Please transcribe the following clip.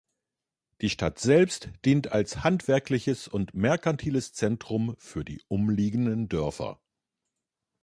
Die Stadt selbst dient als handwerkliches und merkantiles Zentrum für die umliegenden Dörfer.